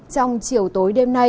trong chiều tối đêm nay